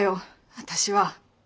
私は。